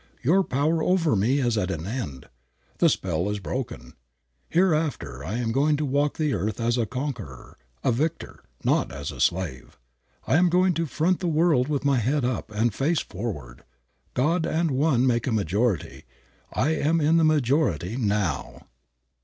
Your power over me is at an end. The spell is broken. Hereafter I am going to walk the earth as a conqueror, a victor, not as a slave. I am going to front the world with my head up and face forward. God and one make a majority. I am in the majority NOW."